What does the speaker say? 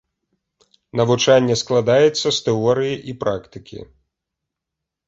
Навучанне складаецца з тэорыі і практыкі.